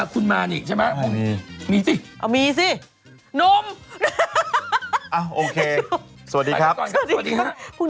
พรุ่งนี้มีรถเมตต์มา